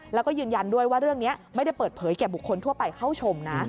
แล้วก็ยืนยันด้วยว่าเรื่องนี้ไม่ได้เปิดเผยแก่บุคคลทั่วไปเข้าชมนะ